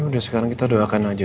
udah sekarang kita doakan aja